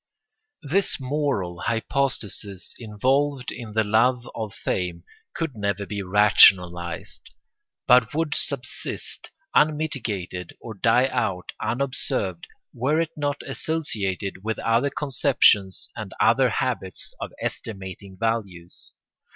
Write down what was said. This moral hypostasis involved in the love of fame could never be rationalised, but would subsist unmitigated or die out unobserved, were it not associated with other conceptions and other habits of estimating values.